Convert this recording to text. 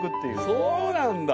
そうなんだ。